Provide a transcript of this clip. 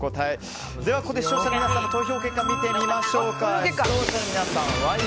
では、ここで視聴者の皆さんの投票結果を見ていきます。